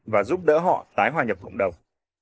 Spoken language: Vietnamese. và giúp đỡ họ tái hòa nhập cộng đồng